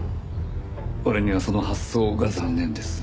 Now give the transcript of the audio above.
俺にはその発想が残念です。